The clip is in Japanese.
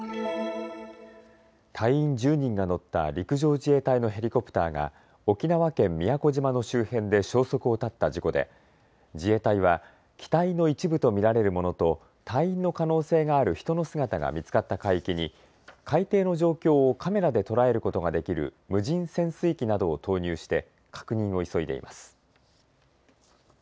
隊員１０人が乗った陸上自衛隊のヘリコプターが沖縄県宮古島の周辺で消息を絶った事故で自衛隊は機体の一部と見られるものと隊員の可能性がある人の姿が見つかった海域に海底の状況をカメラで捉えることができる無人潜水機などを投入して確認を急いでいます。